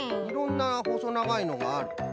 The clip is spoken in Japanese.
いろんなほそながいのがある。